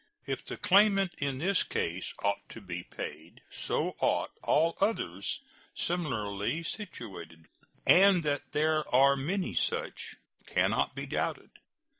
If the claimant in this case ought to be paid, so ought all others similarly situated; and that there are many such can not be doubted.